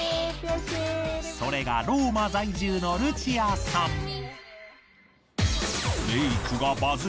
それがローマ在住のルチアさん。